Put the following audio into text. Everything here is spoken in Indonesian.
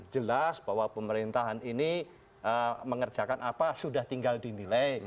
jelas bahwa pemerintahan ini mengerjakan apa sudah tinggal dinilai